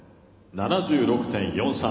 ７６．４３。